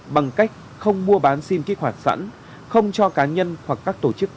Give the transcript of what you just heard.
bằng cách không mua bán sim kích hoạt sẵn không cho cá nhân hoặc các tổ chức